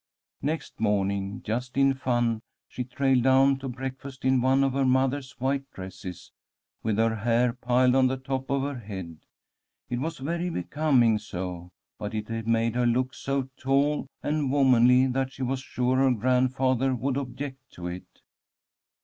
Next morning, just in fun, she trailed down to breakfast in one of her mother's white dresses, with her hair piled on the top of her head. It was very becoming so, but it made her look so tall and womanly that she was sure her grandfather would object to it.